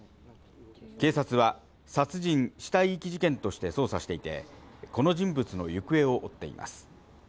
警察は殺人・死体遺棄事件として捜査していて、この人物の行方を追っています。